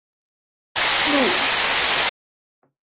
愈